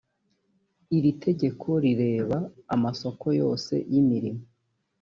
iri tegeko rireba amasoko yose y imirimo